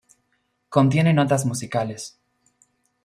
Contiene notas musicales.